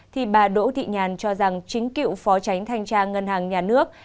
thì bà đỗ thị nhàn cho rằng chính cựu phó tránh thanh tra ngân hàng nhà nước